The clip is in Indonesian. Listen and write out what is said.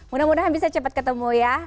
mudah mudahan bisa cepat ketemu ya